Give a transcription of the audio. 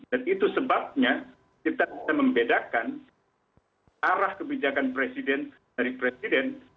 dan itu sebabnya kita membedakan arah kebijakan presiden dari presiden